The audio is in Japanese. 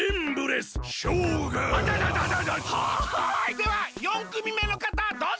では４くみめのかたどうぞ！